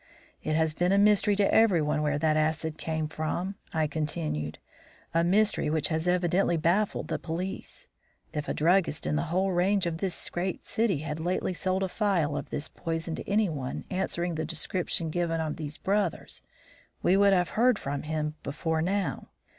"It has been a mystery to everyone where that acid came from," I continued; "a mystery which has evidently baffled the police. If a druggist in the whole range of this great city had lately sold a phial of this poison to anyone answering the description given of these brothers, we would have heard from him before now.